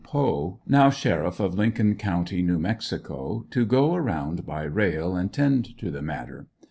Poe, now Sheriff of Lincoln County, New Mexico, to go around by rail and tend to the matter.